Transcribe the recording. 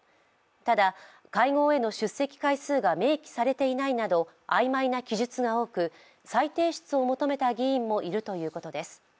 ただ会合への出席回数が明記されていないなど曖昧な記述が多く再提出を求めた議員もいるということです。